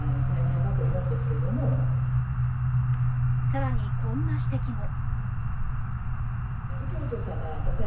更にこんな指摘も。